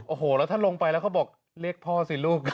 โอ้โหแล้วถ้าลงไปแล้วเขาบอกเรียกพ่อสิลูก